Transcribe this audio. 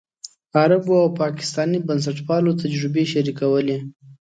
عربو او پاکستاني بنسټپالو تجربې شریکولې.